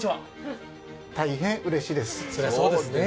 大変うれしいです。